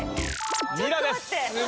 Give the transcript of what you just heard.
ニラです